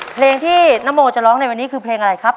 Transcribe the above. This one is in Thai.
เพลงที่นโมจะร้องในวันนี้คือเพลงอะไรครับ